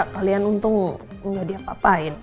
kalian untung nggak diapapain